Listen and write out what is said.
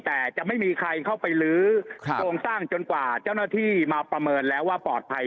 แต่จะไม่มีใครเข้าไปลื้อโครงสร้างจนกว่าเจ้าหน้าที่มาประเมินแล้วว่าปลอดภัย